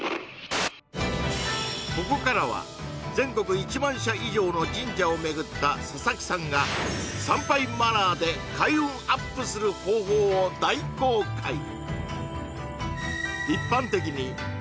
ここからは全国１万社以上の神社を巡った佐々木さんが参拝マナーで開運アップする方法を大公開